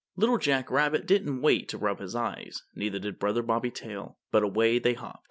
Little Jack Rabbit didn't wait to rub his eyes, neither did Brother Bobby Tail, but away they hopped.